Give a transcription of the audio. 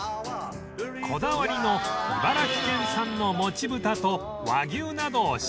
こだわりの茨城県産のもち豚と和牛などを使用